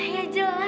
ya jelas lah